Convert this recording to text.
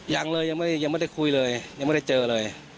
ยังเลยยังไม่ได้คุยเลยยังไม่ได้เจอเลย